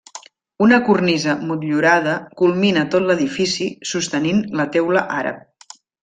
Una cornisa motllurada culmina tot l'edifici sostenint la teula àrab.